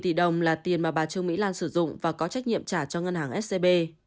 năm tỷ đồng là tiền mà bà trương mỹ lan sử dụng và có trách nhiệm trả cho ngân hàng scb